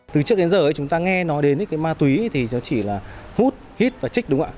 từ trước đến giờ chúng ta nghe nói đến cái ma túy thì nó chỉ là hút hít và trích đúng không ạ